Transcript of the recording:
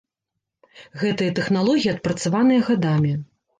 Гэтыя тэхналогіі адпрацаваныя гадамі.